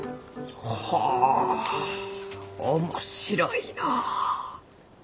ほう面白いのう。